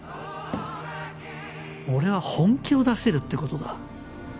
俺は本気を出せるって事だ。